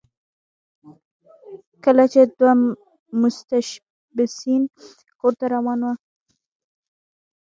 کله چې دوه متشبثین کور ته روان وو